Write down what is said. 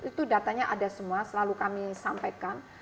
itu datanya ada semua selalu kami sampaikan